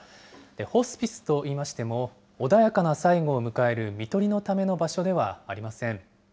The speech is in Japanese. ホスピスといいましても、穏やかな最期を迎える、みとりのための場所ではありません。